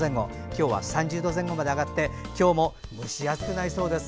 今日は３０度前後まで上がって今日も蒸し暑くなりそうです。